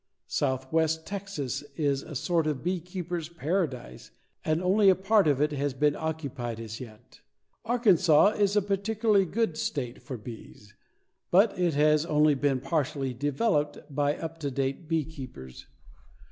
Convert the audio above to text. Southwest Texas is a sort of beekeeper's paradise and only a part of it has been occupied as yet. Arkansas is a particularly good state for bees, but it has only been partially developed by up to date beekeepers.